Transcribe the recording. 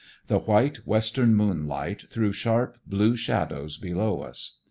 The white, western moonlight threw sharp, blue shadows below us.